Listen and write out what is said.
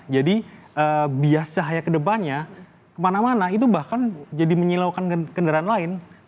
jadi bias cahaya kedepannya kemana mana itu bahkan jadi menyilaukan kendaraan lain